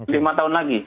lima tahun lagi